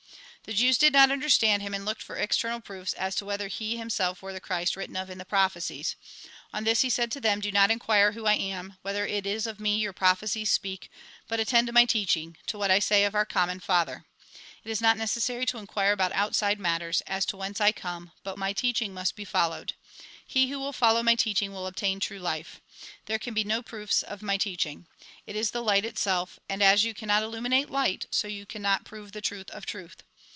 The Jews did not understand him, and looked A RECAPITULATION 191 for external proofs as to whether he himself were the Christ written of in the prophecies. On this he said to them :" Do not inquire who I am, whether it is of me your prophecies speak, but attend to my teaching, to what I say of our com mon Father. It is not necessary to inquire about outside matters, as to whence I come ; but my teaching must be followed. He who will follow my teaching will obtain true life. There can be no proofs of my teaching. It is the light itself, and as you cannot illuminate light, so you cannot prove the truth of truth.